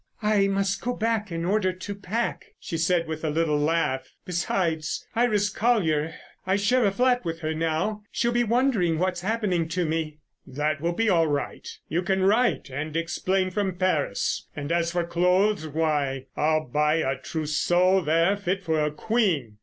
"I must go back in order to pack," she said with a little laugh. "Besides, Iris Colyer—I share a flat with her now—she'll be wondering what's happening to me." "That will be all right. You can write and explain from Paris. And as for clothes, why, I'll buy a trousseau there fit for a queen.